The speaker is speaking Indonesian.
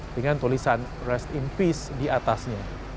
dengan tulisan rest in peace di atasnya